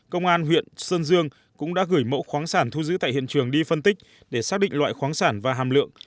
công an huyện sơn dương cũng đã gửi mẫu khoáng sản thu giữ tại hiện trường đi phân tích để xác định loại khoáng sản và hàm lượng